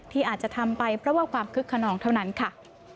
ที่อาจจะทำไปเพราะว่าความคึกขนองเท่านั้นค่ะ